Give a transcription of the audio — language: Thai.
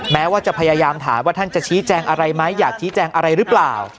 แม้ว่าจะพยายามถามว่าท่านจะชี้แจงอะไรไหมอยากชี้แจงอะไรหรือเปล่า